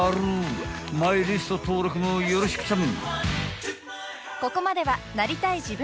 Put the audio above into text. ［マイリスト登録もよろしくちゃん］